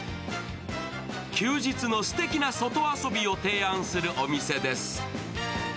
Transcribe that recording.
休日のすてきな外遊びを提案するお店です。